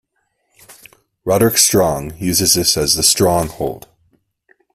Roderick Strong uses this as the "Strong Hold".